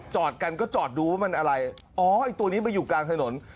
จอดกันก็จอดดูว่ามันอะไรอ๋อไอ้ตัวนี้มันอยู่กลางถนน